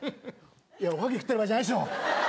いやおはぎ食ってる場合じゃないでしょ！